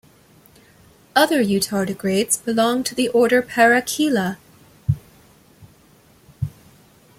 Other eutardigrades belong to the order Parachaela.